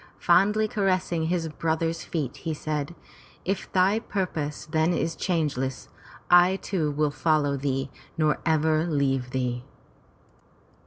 Fondly caressing his brother's feet he said, " If thy purpose then is changeless, I too will follow thee nor ever leave thee."